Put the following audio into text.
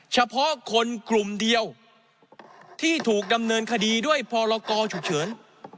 เฉพาะคนกลุ่มเดียวที่ถูกดำเนินคดีด้วยพรกรฉุกเฉิน